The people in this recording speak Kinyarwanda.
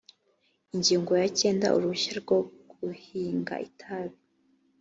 ingingo ya kenda uruhushya rwo guhinga itabi